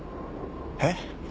えっ！？